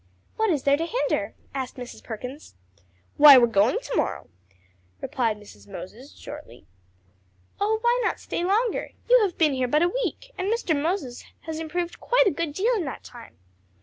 "What is there to hinder?" asked Mrs. Perkins. "Why, we're going to morrow," replied Mrs. Moses, shortly. "Oh, why not stay longer? You have been here but a week, and Mr. Moses has improved quite a good deal in that time."